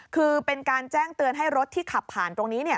คือเป็นการแจ้งเตือนให้รถที่ขับผ่านตรงนี้เนี่ย